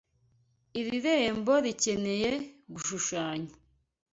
Iri rembo rikeneye gushushanya.